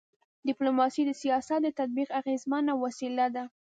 ډيپلوماسي د سیاست د تطبیق اغيزمنه وسیله ده.